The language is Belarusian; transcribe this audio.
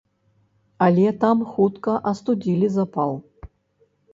Але там хутка астудзілі запал.